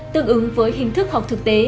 tương ứng với hình thức học thực tế